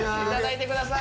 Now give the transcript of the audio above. てください